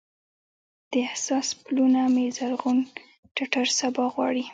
د احساس پلونه مې زرغون ټټر سبا غواړي